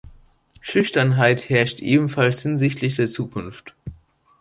Schüchternheit herrscht ebenfalls hinsichtlich der Zukunft.